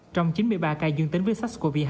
trong chín mươi ba ca dương tính với sars cov hai